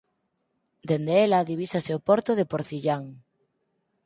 Dende ela divisase o porto de Porcillán.